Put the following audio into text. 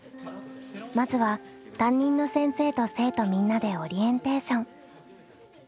まずは担任の先生と生徒みんなでオリエンテーション。